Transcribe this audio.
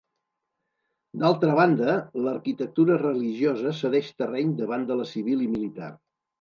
D'altra banda, l'arquitectura religiosa cedeix terreny davant de la civil i militar.